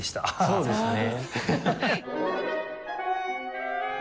そうですね。